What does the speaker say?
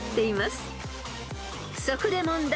［そこで問題］